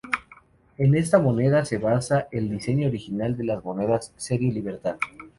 En esta moneda se basa el diseño original de las monedas serie Libertad.